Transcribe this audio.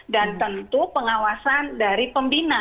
dan tentu pengawasan dari pembina